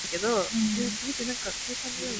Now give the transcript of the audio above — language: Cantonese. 抽完拎去寄都抵